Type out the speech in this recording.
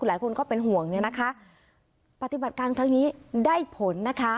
หลายคนก็เป็นห่วงเนี่ยนะคะปฏิบัติการครั้งนี้ได้ผลนะคะ